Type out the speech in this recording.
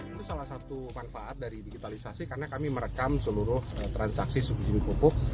itu salah satu manfaat dari digitalisasi karena kami merekam seluruh transaksi subsidi pupuk